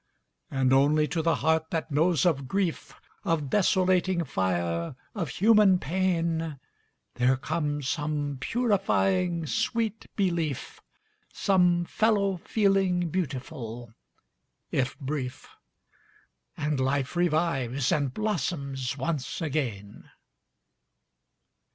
And only to the heart that knows of grief, Of desolating fire, of human pain, There comes some purifying sweet belief, Some fellow feeling beautiful, if brief. And life revives, and blossoms once again.